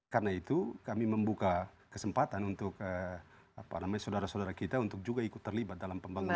karena itu kami membuka kesempatan untuk saudara saudara kita untuk juga ikut terlibat dalam pembangunan ini